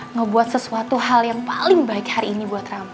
ngebuat sesuatu hal yang paling baik hari ini buat rama